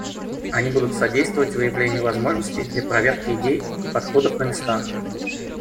Они будут содействовать выявлению возможностей для проверки идей и подходов на местах.